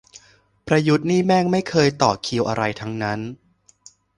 ประยุทธ์นี่แม่งไม่เคยต่อคิวอะไรทั้งนั้น